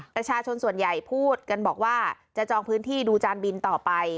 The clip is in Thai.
ประชาชนส่วนใหญ่พูดกันบอกว่าจะจองพื้นที่ดูจานบินต่อไป